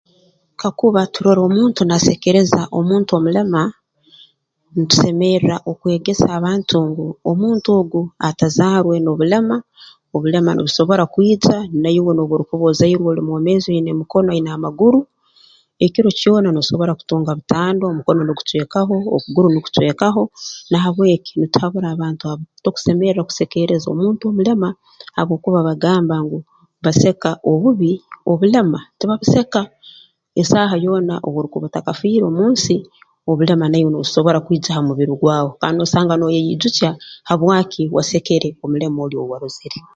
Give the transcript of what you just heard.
Kakuba turora omuntu naasekeereza omuntu omulema ntusemerra okwegesa abantu ngu omuntu ogu atazaarwe n'obulema obulema nubusobora kwija naiwe n'obu orukuba ozairwe oli mwomeezi oina emikono oina amaguru ekiro kyona noosobora kutunga butandwa omukono nugucwekaho okuguru nukucwekaho na habw'eki nituhabura abantu abo tokusemerra kuseekeereza omuntu omulema habwokuba bagamba ngu baseka obubi obulema tibabuseka esaaha yoona obu orukuba otakafiire omu nsi obulema naiwe nubusobora kwija ha mubiri gwawe kandi noosanga nooyeyiijukya habwaki wasekere omulema oli ou warozere